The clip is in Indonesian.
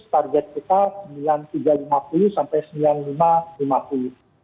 target kita sembilan tiga ratus lima puluh sampai sembilan puluh lima lima puluh